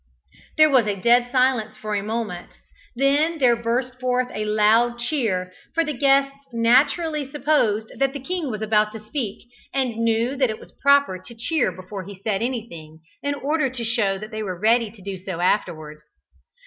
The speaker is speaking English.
There was a dead silence for a moment; then there burst forth a loud cheer, for the guests naturally supposed that the king was about to speak, and knew that it was proper to cheer before he said anything, in order to show that they were ready to do so afterwards.